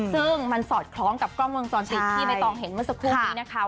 ซึ่งมันสอดคล้องกับกล้องวงจรปิดที่ใบตองเห็นเมื่อสักครู่นี้นะคะ